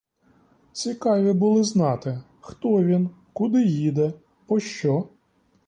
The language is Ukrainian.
Цікаві були знати, хто він, куди їде, по що?